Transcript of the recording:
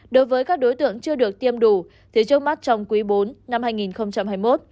đối với các đối tượng chưa được tiêm đủ thì trước mắt trong quý bốn năm hai nghìn hai mươi một